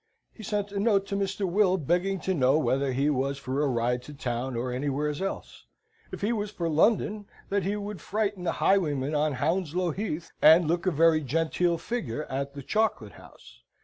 He sent a note to Mr. Will begging to know whether he was for a ride to town or anywheres else. If he was for London, that he would friten the highwaymen on Hounslow Heath, and look a very genteel figar at the Chocolate House.